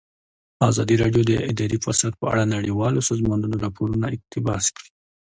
ازادي راډیو د اداري فساد په اړه د نړیوالو سازمانونو راپورونه اقتباس کړي.